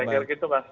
sekarang begitu pak